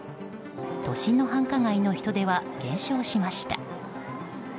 都心の繁華街の人出は減少しました。